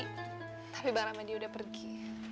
tapi bang rahmadi udah pergi